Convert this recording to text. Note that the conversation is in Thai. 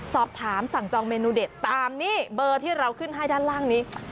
สอบถามสั่งจองเมนูเด็ดตามนี้เบอร์ที่เราขึ้นให้ด้านล่างนี้